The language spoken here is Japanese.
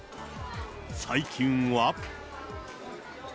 最近は。